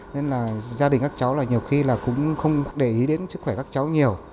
nên là gia đình các cháu là nhiều khi là cũng không để ý đến sức khỏe các cháu nhiều